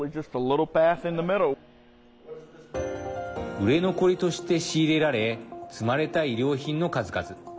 売れ残りとして仕入れられ積まれた衣料品の数々。